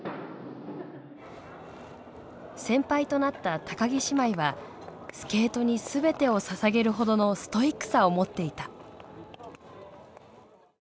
先輩となった木姉妹はスケートに全てをささげるほどのストイックさを持っていた。